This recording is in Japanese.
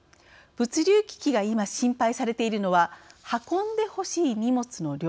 物流危機が今、心配されているのは運んでほしい荷物の量。